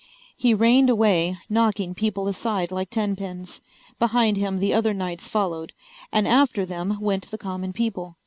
He reined away, knocking people aside like tenpins. Behind him the other knights followed, and after them went the common people.